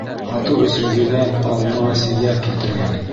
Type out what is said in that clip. Һатыу өсөн еләк, алма, сейә килтергән.